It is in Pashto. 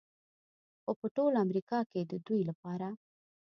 خو په ټول امریکا کې د دوی لپاره